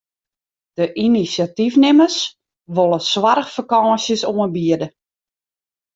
De inisjatyfnimmers wolle soarchfakânsjes oanbiede.